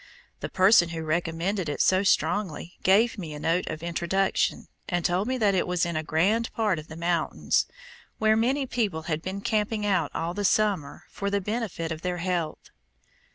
The person who recommended it so strongly gave me a note of introduction, and told me that it was in a grand part of the mountains, where many people had been camping out all the summer for the benefit of their health.